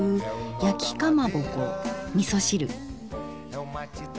やきかまぼこみそ汁。